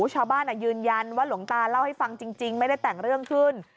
ชาวบ้านยืนยันว่าหลวงตาเล่าให้ฟังจริงไม่ได้แต่งเรื่องขึ้น